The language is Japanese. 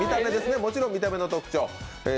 もちろん見た目の特徴。